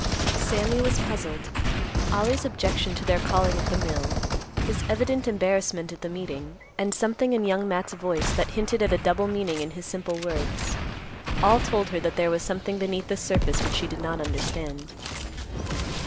Sammy was puzzled. Ollie's objection to their calling at the mill, his evident embarrassment at the meeting, and something in Young Matt's voice that hinted at a double meaning in his simple words, all told her that there was something beneath the surface which she did not understand.